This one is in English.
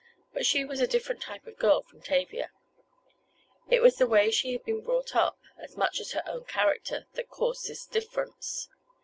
But she was a different type of girl from Tavia. It was the way she had been brought up, as much as her own character, that caused this difference.